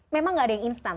memang enggak ada yang instan